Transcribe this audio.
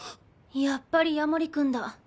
やっぱり夜守君だ。